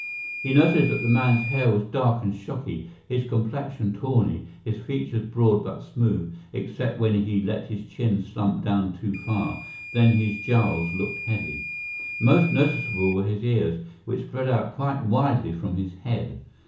He noted that the man's hair was dark and shocky, his complexion tawny, his features broad but smooth, except when he let his chin slump down too far; then, his jowls looked heavy. Most noticeable were his ears, which spread out quite widely from his head.